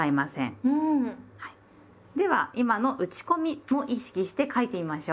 では今の打ち込みを意識して書いてみましょう。